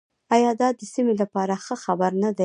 آیا دا د سیمې لپاره ښه خبر نه دی؟